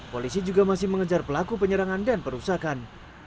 polisi juga masih mengejar pelaku penyerangan dan perusakan